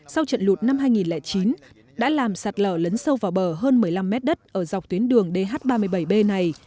sau trận lụt năm hai nghìn chín đã làm sạt lở lấn sâu vào bờ hơn một mươi năm mét đất ở dọc tuyến đường dh ba mươi bảy b này